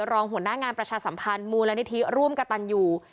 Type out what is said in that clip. รองหัวหน้างานประชาสัมพันธ์มูลนิธิร่วมกระตันอยู่